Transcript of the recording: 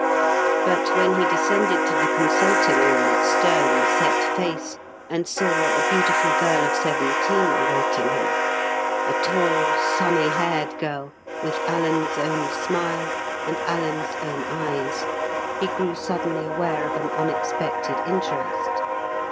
But when he descended to the consulting room with stern set face, and saw a beautiful girl of seventeen awaiting him—a tall sunny haired girl, with Alan's own smile and Alan's own eyes—he grew suddenly aware of an unexpected interest.